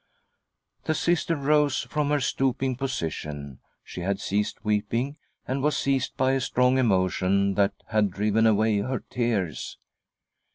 : The Sister rose from her stooping position. She had ceased weeping, and was seized by a strong emotion that had driven away her tears.